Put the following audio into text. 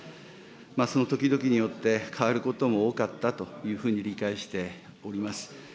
その時々によって、変わることも多かったというふうに理解しております。